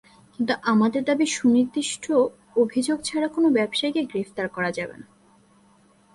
কিন্তু আমাদের দাবি সুনির্দিষ্ট অভিযোগ ছাড়া কোনো ব্যবসায়ীকে গ্রেপ্তার করা যাবে না।